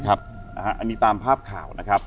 อันนี้ตามภาพข่าวนะครับ